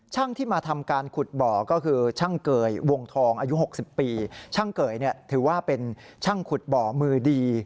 ช่างเกยนี่ถือว่าเป็นช่างขุดบ่อมือดี